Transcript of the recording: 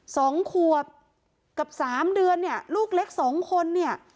สองขวบกับสามเดือนเนี่ยลูกเล็กสองคนเนี่ย